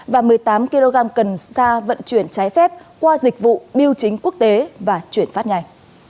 và một mươi tám kg cần sa vận chuyển trái phép qua dịch vụ biêu chính quốc tế và chuyển phát nhanh